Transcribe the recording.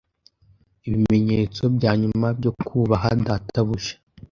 ibimenyetso byanyuma byo kubaha databuja